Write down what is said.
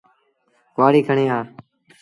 ڪهآڙيٚ کڻي آ۔